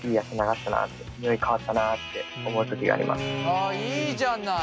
あいいじゃない。